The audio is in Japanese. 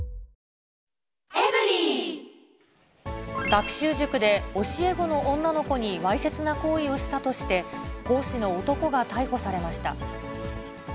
学習塾で教え子の女の子に、わいせつな行為をしたとして、講師の男が逮捕されました。